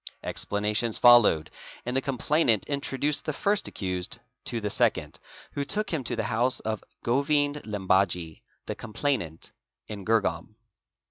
Explanations followed, and the complainant "introduced the first accused to the second, who took him to the house of | Govind Limbaji, the complainant, in Girgaum.